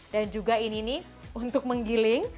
dan juga ini untuk menggiling